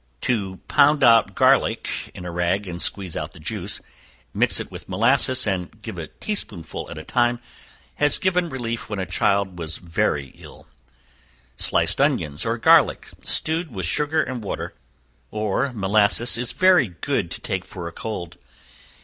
To pound garlic in a rag and squeeze out the juice, mix it with molasses, and give a tea spoonful at a time, has given relief when a child was very ill. Sliced onions, or garlic stewed with sugar and water, or molasses, is very good to take for a cold.